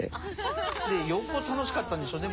よっぽど楽しかったんでしょうね